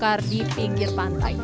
bakar di pinggir pantai